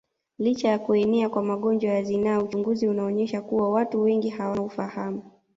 Licha ya kuenea kwa magonjwa ya zinaa uchunguzi unaonyesha kuwa watu wengi hawana ufahamu